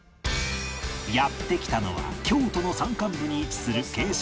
やって来たのは京都の山間部に位置する景勝地